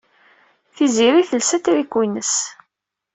Tiziri telsa atriku-ines.